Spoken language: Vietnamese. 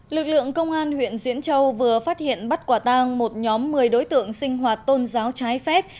lực lượng công an huyện diễn châu vừa phát hiện bắt quả tang một nhóm một mươi đối tượng sinh hoạt tôn giáo trái phép